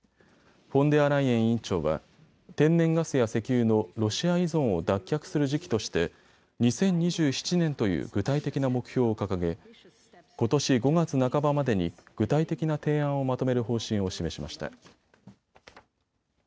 フォンデアライエン委員長は天然ガスや石油のロシア依存を脱却する時期として２０２７年という具体的な目標を掲げ、ことし５月半ばまでに具体的な提案をまとめる方針を示しました。